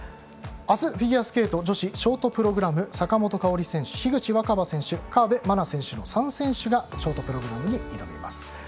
あす、フィギュアスケート女子ショートプログラム坂本花織選手、樋口新葉選手河辺愛菜選手の３選手がショートプログラムに挑みます。